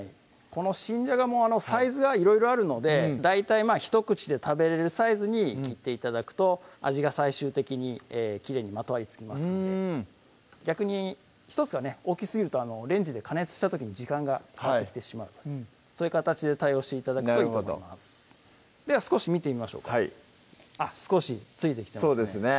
この新じゃがもサイズがいろいろあるので大体ひと口で食べれるサイズに切って頂くと味が最終的にきれいにまとわりつきますので逆に１つがね大きすぎるとレンジで加熱した時に時間がかかってきてしまうそういう形で対応して頂くといいと思いますでは少し見てみましょうかはい少しついてきてますね